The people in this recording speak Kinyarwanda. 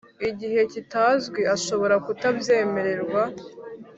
gihe kitazwi ashobora kutabyemererwa